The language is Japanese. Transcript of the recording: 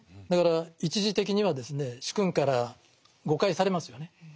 だから一時的にはですね主君から誤解されますよね。